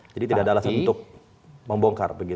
jadi tidak ada alasan untuk membongkar begitu ya